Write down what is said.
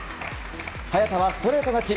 早田はストレート勝ち。